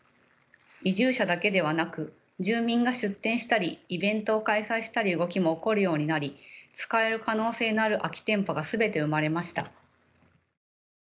移住者だけではなく住民が出店したりイベントを開催したり動きも起こるようになり使える可能性のある空き店舗が全て埋まりました。